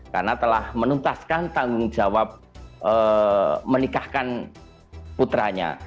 karena telah menuntaskan tanggung jawab menikahkan putranya